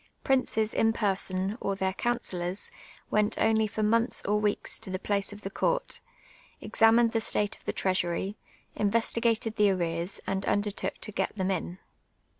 Princes in person, or their councillors, went only for months or weeks to the place of the court, examined the state of the treasury, investigated the ari'cars, and undertook to get them in.